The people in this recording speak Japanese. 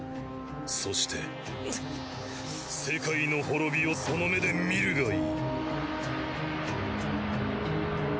そして世界の滅びをその目で見るがいい。